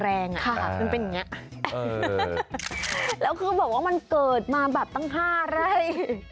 มันเป็นอย่างเงี้ยแล้วคือบอกว่ามันเกิดมาแบบตั้ง๕ไร่